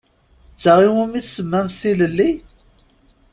D ta i wumi tsemmamt tilelli?